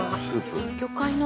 魚介の。